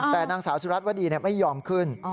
แต่นางสาวสุรัตนวดีไม่ยอมขึ้น